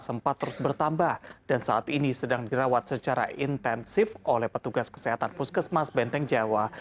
sempat terus bertambah dan saat ini sedang dirawat secara intensif oleh petugas kesehatan puskesmas benteng jawa